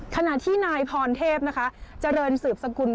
ขณะที่นายพรเทพนะคะเจริญสืบสกุล